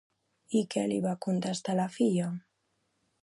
I què li va contestar la filla?